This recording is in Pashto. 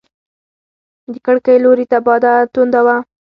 د کړکۍ لوري ته باد تونده و.